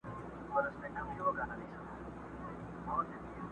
خوشحال بلله پښتانه د لندو خټو دېوال!